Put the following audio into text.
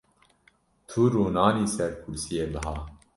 Tu rûnanî ser kursiyê biha.